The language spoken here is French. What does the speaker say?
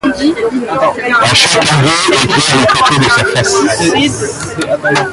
Et chacun d’eux éclaire un côté de sa face